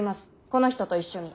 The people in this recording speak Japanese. この人と一緒に。